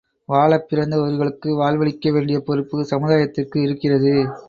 வாழப்பிறந்த உயிர்களுக்கு வாழ்வளிக்க வேண்டிய பொறுப்பு, சமுதாயத்திற்கு இருக்கிறது.